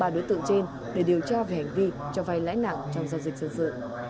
ba đối tượng trên để điều tra về hành vi cho vay lãi nặng trong giao dịch dân sự